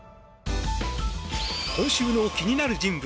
今週の気になる人物